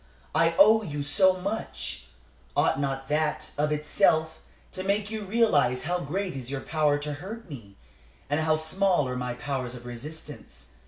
I owe you so much. Ought not that, of itself, to make you realize how great is your power to hurt me, and how small are my powers of resistance?